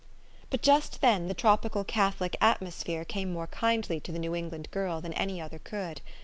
But just then the tropical Catholic atmosphere came more kindly to the New England girl than any other could.